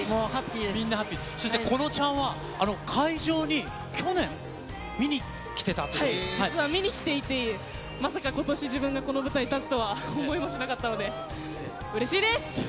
そしてこのちゃんは、会場に実は見に来ていて、まさかことし、自分がこの舞台に立つとは思いもしなかったので、うれしいです。